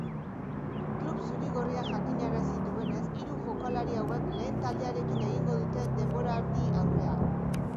Klub zuri-gorriak jakinarazi duenez, hiru jokalari hauek lehen taldearekin egingo dute denboraldiaurrea.